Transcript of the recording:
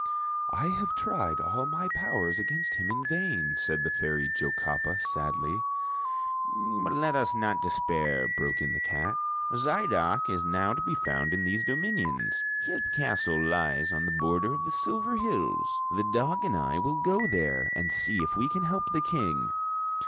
"I have tried all my powers against him in vain," said the Fairy Jocapa, sadly. "But let us not despair," broke in the cat. "Zidoc is now to be found in these dominions. His castle lies on the border of the Silver Hills. The dog and I will go there, and see if we can help the King."